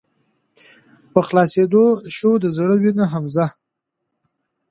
په خلاصيدو شــوه د زړه وينه حمزه